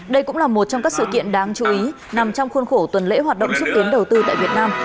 đây cũng là một trong các sự kiện đáng chú ý nằm trong khuôn khổ tuần lễ hoạt động xúc tiến đầu tư tại việt nam